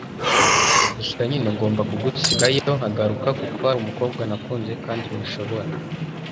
gusa nyine ngomba kugusigayo nkagaruka kuko harumukobwa nakunze kandi ntashobora